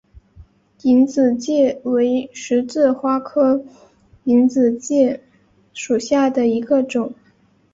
隐子芥为十字花科隐子芥属下的一个种。